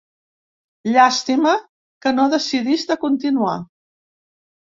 Llàstima que no decidís de continuar.